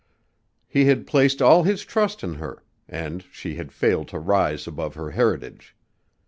He had placed all his trust in her and she had failed to rise above her heritage.